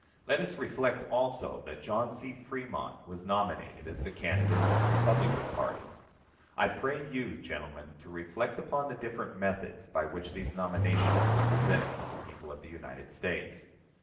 Let us reflect also that John C. Fremont was nominated as the candidate of the Republican party. I pray you, gentlemen, to reflect upon the different methods by which these nominations were presented to the people of the United States.